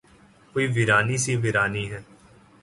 کوئی ویرانی سی ویرانی ہے